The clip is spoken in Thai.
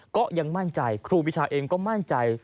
ก็ยังมั่นใจครูปีชาเองก็มั่นใจ